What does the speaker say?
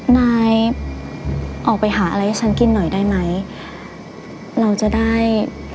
นายออกไปหาอะไรให้ฉันกินหน่อยได้ไหมเราจะได้